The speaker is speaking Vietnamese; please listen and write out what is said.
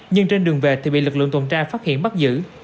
nhưng trên đường về thì bị lực lượng tuần tra phát hiện bắt giữ